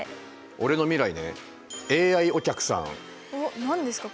俺の未来ねおっ何ですか？